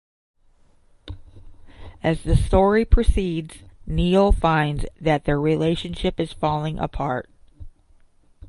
As the story proceeds, Neil finds that their relationship is falling apart.